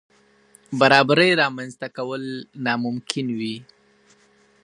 برابرۍ رامنځ ته کول ناممکن وي.